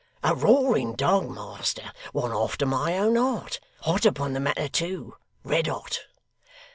'A roaring dog, master one after my own heart hot upon the matter too red hot.